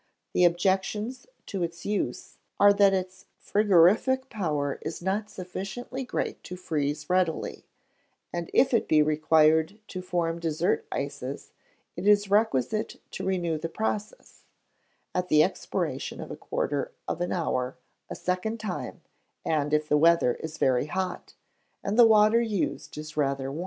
The objections to its use are that its frigorific power is not sufficiently great to freeze readily; and if it be required to form dessert ices, it is requisite to renew the process, at the expiration of a quarter of an hour, a second time, and, if the weather is very hot, and the water used is rather warm, even a third or fourth time.